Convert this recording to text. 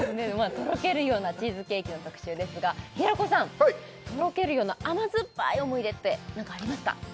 とろけるようなチーズケーキの特集ですが平子さんとろけるような甘酸っぱい思い出って何かありますか？